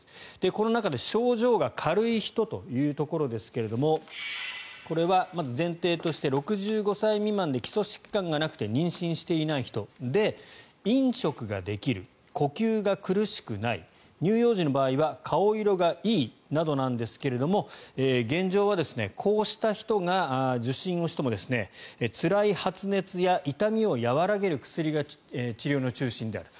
この中で症状が軽い人というところですがこれはまず前提として６５歳未満で基礎疾患がなくて妊娠していない人で飲食ができる呼吸が苦しくない乳幼児の場合は顔色がいいなどなんですが現状はこうした人が受診をしてもつらい発熱や痛みを和らげる薬が治療の中心である。